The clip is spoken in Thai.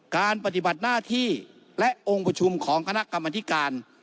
การปฏิบัติหน้าที่และองค์ประชุมของคณะกรรมธิการ